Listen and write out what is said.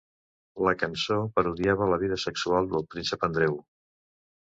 La cançó parodiava la vida sexual del Príncep Andreu.